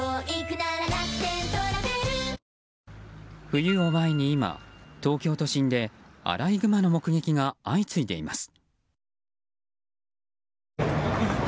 冬を前に今、東京都心でアライグマの目撃が相次いでいます。